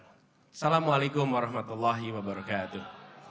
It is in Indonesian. assalamu'alaikum warahmatullahi wabarakatuh